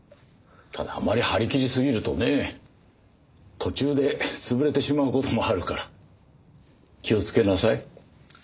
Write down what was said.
ただあまり張り切りすぎるとね途中で潰れてしまう事もあるから気をつけなさい。